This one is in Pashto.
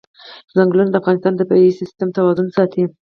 ځنګلونه د افغانستان د طبعي سیسټم توازن ساتي.